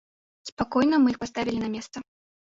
Спакойна мы іх паставілі на месца.